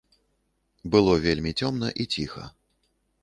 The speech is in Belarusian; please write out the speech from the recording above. Было вельмі цёмна і ціха.